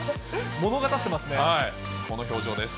物語ってますね。